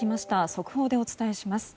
速報でお伝えします。